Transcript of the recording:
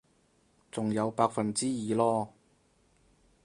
仲有百分之二囉